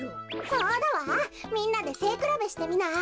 そうだわみんなでせいくらべしてみない？